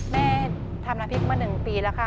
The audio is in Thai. แม่ทำน้ำพริกมา๑ปีแล้วค่ะ